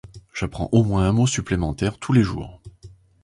J’apprends au moins un mot supplémentaire, tous les jours.